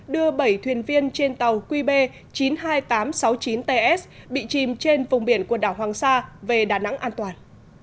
đưa bảy thuyền viên trên tàu qb chín mươi hai nghìn tám trăm sáu mươi chín ts bị chìm trên vùng biển quần đảo hoàng sa về đà nẵng an toàn